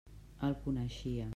El coneixia.